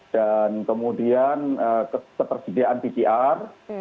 dan kemudian ketersediaan pcr